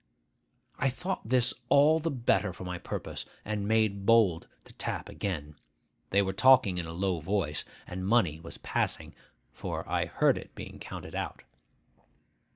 I thought this all the better for my purpose, and made bold to tap again. They were talking in a low tone, and money was passing; for I heard it being counted out.